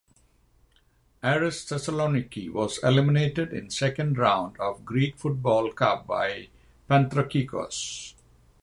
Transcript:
Aris Thessaloniki was eliminated in "Second round" of Greek Football Cup by Panthrakikos.